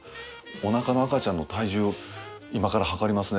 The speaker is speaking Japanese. お腹の赤ちゃんの体重を今から量りますね。